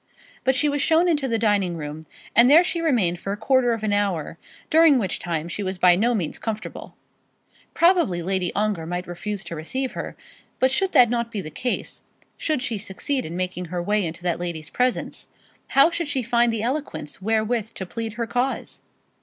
But she was shown into the dining room, and there she remained for a quarter of an hour, during which time she was by no means comfortable. Probably Lady Ongar might refuse to receive her; but should that not be the case, should she succeed in making her way into that lady's presence, how should she find the eloquence wherewith to plead her cause?